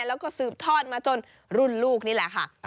แล้วก็สืบทอดมาจนรุ่นลูกนี่แหละค่ะ